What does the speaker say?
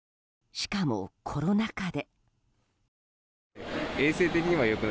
しかも、コロナ禍で。